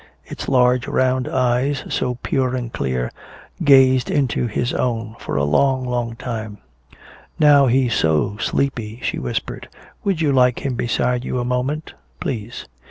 Its large round eyes, so pure and clear, gazed into his own for a long, long time. "Now he's so sleepy," she whispered. "Would you like him beside you a moment?" "Please."